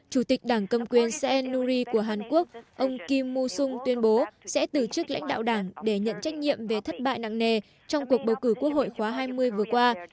chủ tịch đảng cầm quyền seanury của hàn quốc ông kim mus sungng tuyên bố sẽ từ chức lãnh đạo đảng để nhận trách nhiệm về thất bại nặng nề trong cuộc bầu cử quốc hội khóa hai mươi vừa qua